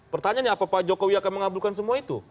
pertanyaannya apa pak jokowi akan mengabulkan semua itu